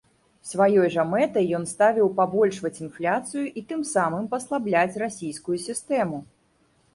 Сваёй жа мэтай ён ставіў пабольшваць інфляцыю і тым самым паслабляць расійскую сістэму.